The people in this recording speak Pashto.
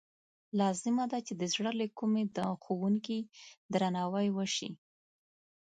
لازمه ده چې د زړه له کومې د ښوونکي درناوی وشي.